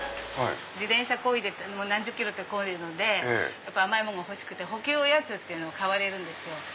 何十ｋｍこいでるので甘いものが欲しくて補給おやつっていうのを買われるんですよ。